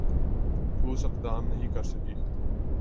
ٹھوس اقدام نہیں کرسکی